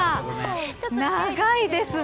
長いですね。